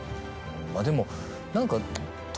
まぁでも何か。